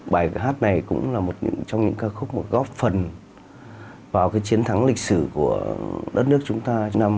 bài hát này cũng là một trong những ca khúc góp phần vào cái chiến thắng lịch sử của đất nước chúng ta năm một nghìn chín trăm bảy mươi năm